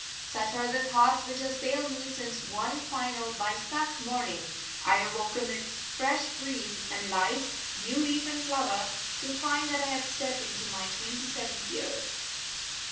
Such are the thoughts which assail me since one fine Bysakh morning I awoke amidst fresh breeze and light, new leaf and flower, to find that I had stepped into my twenty seventh year.